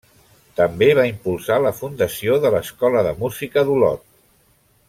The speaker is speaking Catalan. També va impulsar la fundació de l'Escola de Música d'Olot.